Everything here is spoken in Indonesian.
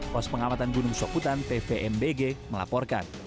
pos pengawatan gunung soputan tvmbg melaporkan